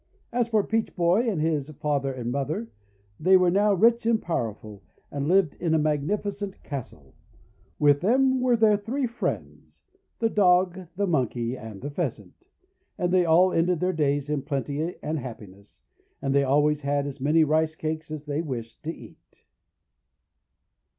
As for Peach Boy and his father and mother, they were now rich and powerful, and lived in a magnificent castle. With them were their three friends, — the Dog, the Monkey, and the Pheasant. And they all ended their days in plenty and happiness, for they always had as many Rice Cakes as they wished to eat.